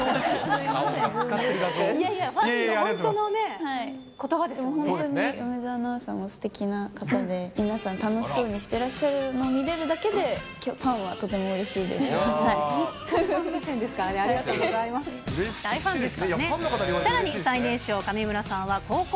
いやいや、ファンの本当のね、本当に、梅澤アナウンサーもすてきな方で、皆さん楽しそうにしてらっしゃるのを見てるだけで、ファンは、ありがとうございます。